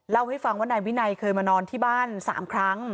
เล่าให้ฟังว่านายวินัยเคยมานอนที่บ้าน๓ครั้ง